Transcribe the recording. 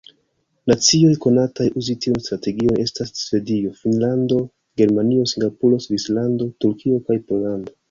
Nacioj konataj uzi tiun strategion estas Svedio, Finnlando, Germanio, Singapuro, Svislando, Turkio kaj Pollando.